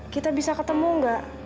kita bisa ketemu nggak